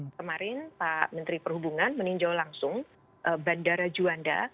kemarin pak menteri perhubungan meninjau langsung bandara juanda